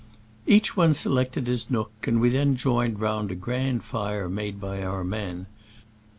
Each one selected his nook, and we then joined round a grand fire made by our men.